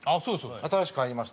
新しく入りました。